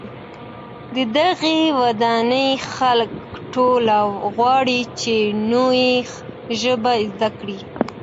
د دغي ودانۍ خلک ټول غواړي چي نوې ژبې زده کړي.